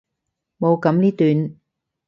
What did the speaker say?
冇噉呢段！